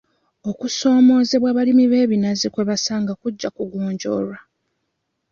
Okusoomoozebwa abalimi b'ebinazi kwe basanga kujja kugonjoolwa.